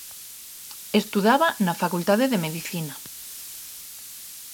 Estudaba na Facultade de Medicina.